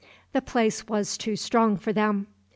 The place was too strong for them.